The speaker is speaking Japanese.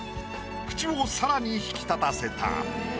口を更に引き立たせた。